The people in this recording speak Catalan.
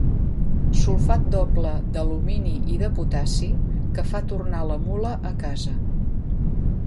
Sulfat doble d'alumini i de potassi que fa tornar la mula a casa.